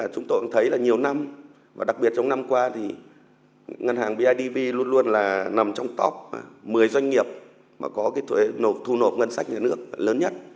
chúng tôi thấy rằng nhiều năm đặc biệt trong năm qua ngân hàng bidv luôn luôn nằm trong top một mươi doanh nghiệp có thu nộp ngân sách nhà nước lớn nhất